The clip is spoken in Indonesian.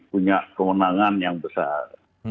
punya kemenangan yang besar